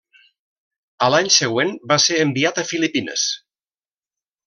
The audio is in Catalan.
A l'any següent va ser enviat a Filipines.